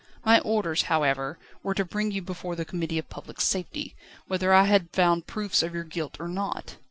My orders, however, were to bring you before the Committee of Public Safety, whether I had found proofs of your guilt or not.